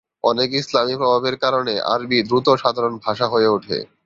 অনেক ইসলামী প্রভাবের কারণে, আরবি দ্রুত সাধারণ ভাষা হয়ে ওঠে।